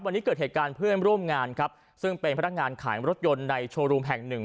วันนี้เกิดเหตุการณ์เพื่อนร่วมงานครับซึ่งเป็นพนักงานขายรถยนต์ในโชว์รูมแห่งหนึ่ง